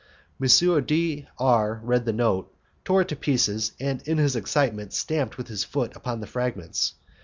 M. D R read the note, tore it to pieces, and in his excitement stamped with his foot upon the fragments.